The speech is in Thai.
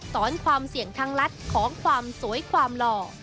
ความเสี่ยงทางลัดของความสวยความหล่อ